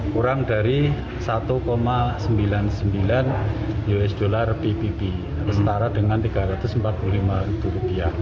kurang dari satu sembilan puluh sembilan usd pbb setara dengan rp tiga ratus empat puluh lima